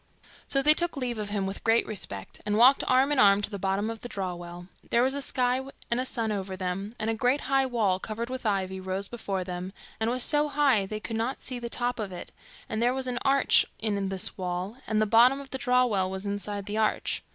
So they took leave of him with great respect, and walked arm in arm to the bottom of the draw well. There was a sky and a sun over them, and a great high wall, covered with ivy, rose before them, and was so high they could not see to the top of it; and there was an arch in this wall, and the bottom of the draw well was inside the arch.